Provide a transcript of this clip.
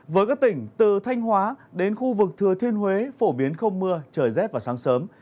với các tỉnh từ thanh hóa đến khu vực thừa thiên huế phổ biến không mưa trời rét vào sáng sớm